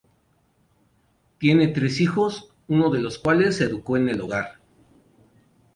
Tiene tres hijos, uno de los cuales se educó en el hogar.